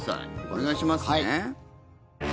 お願いしますね。